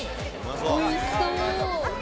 おいしそう。